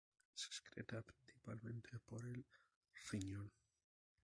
Se excreta principalmente por el riñón.